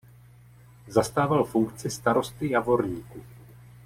Zastával funkci starosty Javorníku.